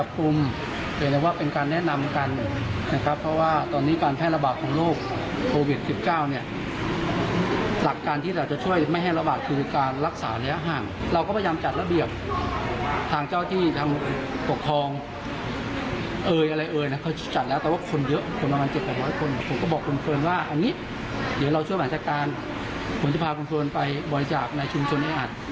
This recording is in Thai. การจัดการควรจะพาคุณสวยไปบริจาคในชุมชนแอดอัด